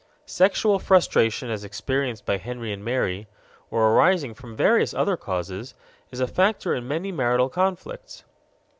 Sexual frustration as experienced by Henry and Mary or arising from various other causes is a factor in many marital conflicts.